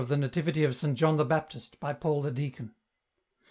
281 the Nativity of Saint John the Baptist, by Paul the Deacon.